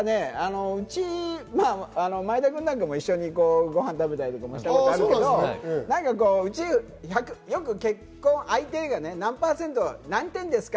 前田君なんかも一緒にご飯食べたりしたことあるけど、よく相手が何％、何点ですか？